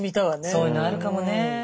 そういうのあるかもねえ。